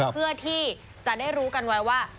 เพื่อที่จะได้รู้กันไว้ว่า